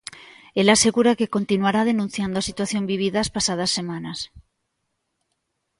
Ela asegura que continuará denunciando a situación vivida as pasadas semanas.